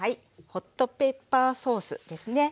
ホットペッパーソースですね。